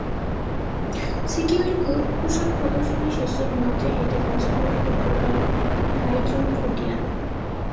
সিকিমের পোশাক প্রদর্শনী শেষে মঞ্চে হেঁটে যান সাবেক ফুটবলার বাইচুং ভুটিয়া।